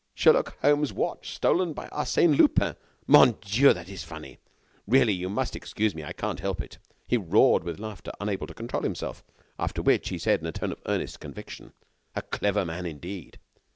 Sherlock Holmes' watch stolen by Arsène Lupin! Mon Dieu! that is funny! Really.... you must excuse me....I can't help it." He roared with laughter, unable to control himself. After which, he said, in a tone of earnest conviction: "A clever man, indeed!"